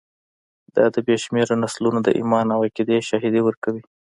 دا د بې شمېره نسلونو د ایمان او عقیدې شاهدي ورکوي.